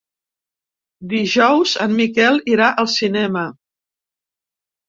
Dijous en Miquel irà al cinema.